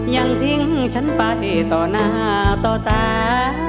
ยังทิ้งฉันไปต่อหน้าต่อตา